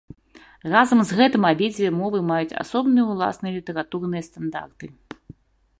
Разам з гэтым абедзве мовы маюць асобныя ўласныя літаратурныя стандарты.